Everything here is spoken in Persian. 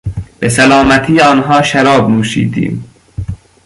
به سلامتی آنها شراب نوشیدیم.